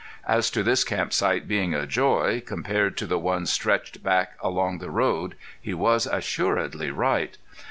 As to this camp site being a joy compared to the ones stretched back along the road he was assuredly right.